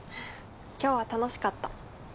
今日は楽しかった。